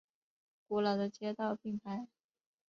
古老的街道并排。